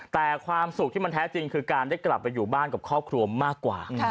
แต่ความสุขที่มันแท้จริงคือการได้กลับไปอยู่บ้านกับครอบครัวมากกว่า